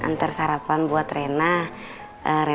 nampak buat apa